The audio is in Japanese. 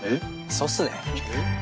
そうっすね。